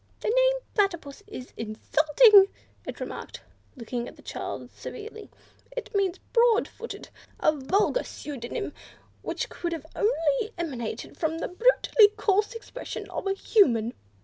"The name Platypus is insulting," it remarked, looking at the child severely, "it means broad footed, a vulgar pseudonym which could only have emanated from the brutally coarse expressions of a Human.